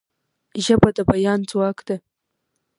ژبه د بیان ځواک ده.